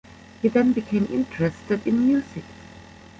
He then became interested in music.